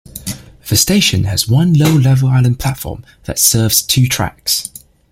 The station has one low-level island platform that serves two tracks.